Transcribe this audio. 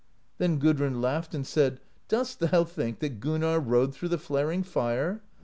Then Gudrun laughed, and said: 'Dost thou think that Gun narr rode through the flaring fire